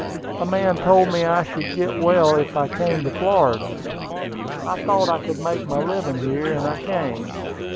A man told me I should get well if I came to Florida. I thought I could make my living here, and I came.